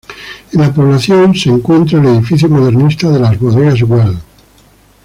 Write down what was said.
En la población se encuentra el edificio modernista de las Bodegas Güell.